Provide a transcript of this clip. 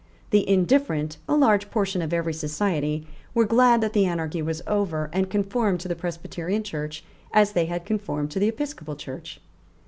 The indifferent, a large portion of every society, were glad that the anarchy was over, and conformed to the Presbyterian Church as they had conformed to the Episcopal Church.